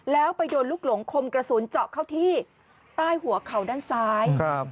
แล้วไปโดนลูกหลงคมกระสุนเจาะเข้าที่ใต้หัวเข่าด้านซ้าย